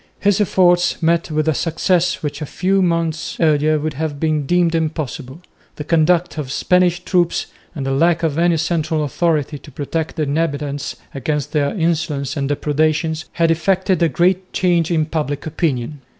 His efforts met with a success which a few months earlier would have been deemed impossible. The conduct of the Spanish troops, and the lack of any central authority to protect the inhabitants against their insolence and depredations, had effected a great change in public opinion.